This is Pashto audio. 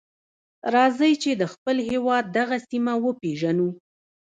راځئ چې د خپل هېواد دغه سیمه وپیژنو.